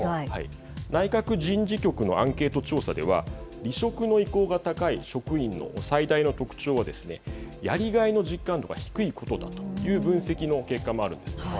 内閣人事局のアンケート調査では離職の意向が高い職員の最大の特徴はやりがいの実感度が低いことという分析の結果もあるんです。